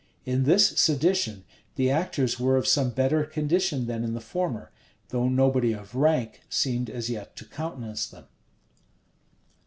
In this sedition, the actors were of some better condition than in the former; though nobody of rank seemed as yet to countenance them.